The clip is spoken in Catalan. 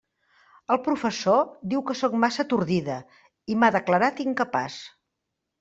El professor diu que sóc massa atordida, i m'ha declarat incapaç.